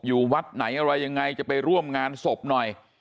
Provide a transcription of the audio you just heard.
อยู่วัดไหนอะไรยังไงจะไปร่วมงานศพหน่อย